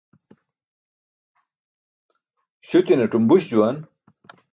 Śuti̇naṭum buś juwan.